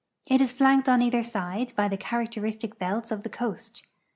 It is flaidced on either side by the characteristic l)clts of tlic* coast.